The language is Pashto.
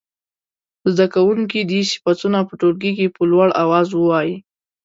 زده کوونکي دې صفتونه په ټولګي کې په لوړ اواز ووايي.